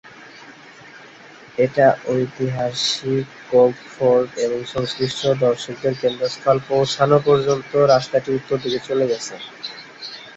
এটা ঐতিহাসিক cove fort এবং সংশ্লিষ্ট দর্শকদের কেন্দ্রস্থল পৌঁছানো পর্যন্ত রাস্তাটি উত্তর দিকে চলে গেছে।